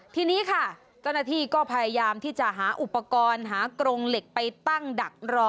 ทีนี้ค่ะเจ้าหน้าที่ก็พยายามที่จะหาอุปกรณ์หากรงเหล็กไปตั้งดักรอ